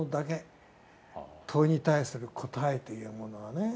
問いに対する答えというものはね。